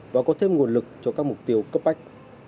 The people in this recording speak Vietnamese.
và có thêm nguồn lực cho các mục tiêu cấp bách